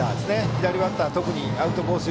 左バッターは特にアウトコース